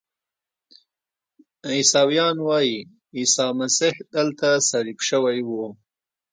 عیسویان وایي عیسی مسیح دلته صلیب شوی و.